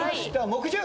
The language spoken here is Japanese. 木１０。